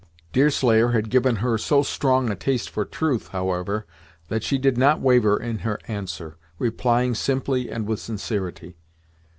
Deerslayer had given her so strong a taste for truth, however, that she did not waver in her answer, replying simply and with sincerity.